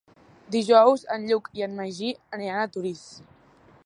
Dijous en Lluc i en Magí aniran a Torís.